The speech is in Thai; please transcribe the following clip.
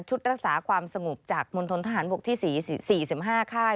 รักษาความสงบจากมณฑนทหารบกที่๔๕ค่าย